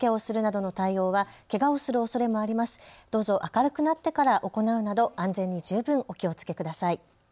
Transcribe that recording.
どうぞ明るくなってから行うなど安全に十分お気をつけください。